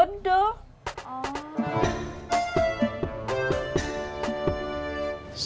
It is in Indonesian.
sebenarnya aku punya uang